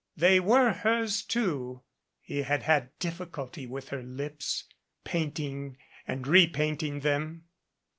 They were hers, too. He had had difficulty with her lips, painting and repainting them.